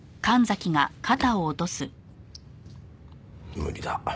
無理だ。